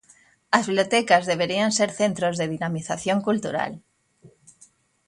As bibliotecas deberían ser centros de dinamización cultural.